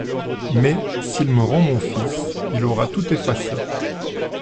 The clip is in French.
Mais, s'il me rend mon fils, il aura tout effacé.